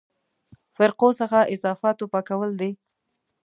فرقو څخه اضافاتو پاکول دي.